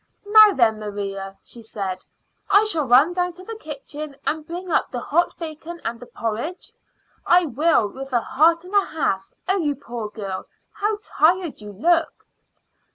"Now then, Maria," she said, "shall I run down to the kitchen and bring up the hot bacon and the porridge? I will, with a heart and a half. Oh, you poor girl, how tired you look!"